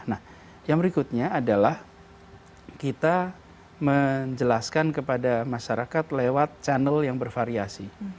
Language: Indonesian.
nah yang berikutnya adalah kita menjelaskan kepada masyarakat lewat channel yang bervariasi